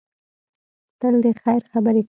تل د خیر خبرې کوه.